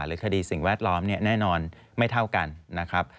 คดีสิ่งแวดล้อมเนี่ยแน่นอนไม่เท่ากันนะครับ